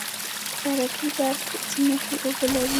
برکي برک ځمکې اوبه لري؟